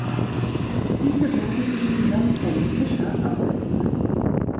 Diese werden ihnen dann vom Fischer abgenommen.